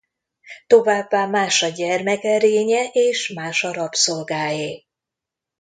Továbbá más a gyermek erénye és más a rabszolgáé.